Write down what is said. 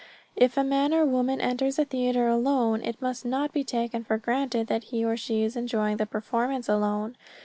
If a man or woman enters a theater alone, it must not be taken for granted that he or she is enjoying the performance alone.